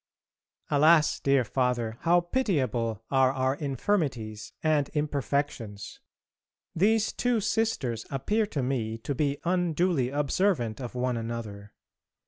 Alas! dear Father, how pitiable are our infirmities and imperfections! These two Sisters appear to me to be unduly observant of one another.